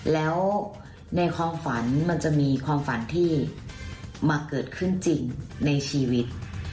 แล้วในความฝันมันจะมีความฝันที่มาเกิดขึ้นจริงในชีวิต